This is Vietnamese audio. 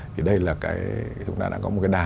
thì đây là cái chúng ta đã có một cái đà